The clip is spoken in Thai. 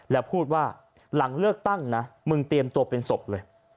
แล้วพูดว่าหลังเลือกตั้งนะมึงเตรียมตัวเป็นศพเลย